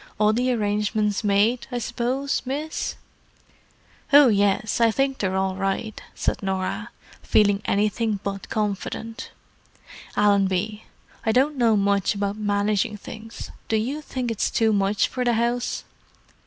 "All the arrangements made, I suppose, miss?" "Oh, yes, I think they're all right," said Norah, feeling anything but confident. "Allenby—I don't know much about managing things; do you think it's too much for the house?"